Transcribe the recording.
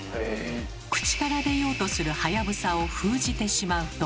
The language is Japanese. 口から出ようとする「はやぶさ」を封じてしまうと。